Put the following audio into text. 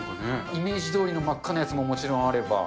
イメージどおりの真っ赤なやつももちろんあれば。